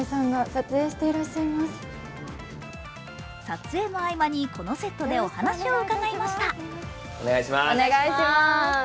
撮影の合間に、このセットでお話を伺いました。